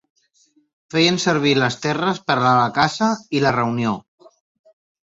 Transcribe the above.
Feien servir les terres per a la caça i la reunió.